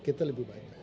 kita lebih banyak